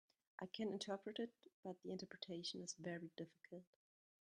I can interpret it, but the interpretation is very difficult.